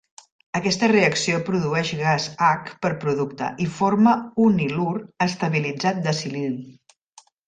Aquesta reacció produeix gas H per producte, i forma un ilur estabilitzat de silil.